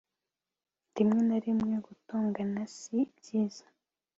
Rimwe na rimwe gutongana si byiza